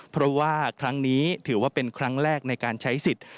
เพราะว่าครั้งนี้ถือว่าเป็นครั้งแรกในการใช้สิทธิ์